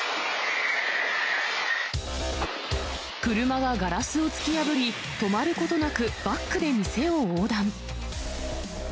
車がガラスを突き破り、止まることなくバックで店を横断。